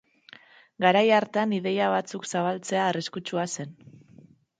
Garai hartan ideia batzuk zabaltzea arriskutsua zen.